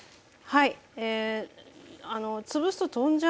はい。